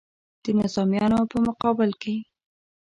د نظامونو په مقابل کې.